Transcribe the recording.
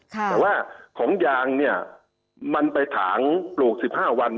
แต่ว่าของยางเนี่ยมันไปถางปลูก๑๕วัน